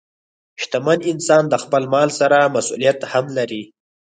شتمن انسان د خپل مال سره مسؤلیت هم لري.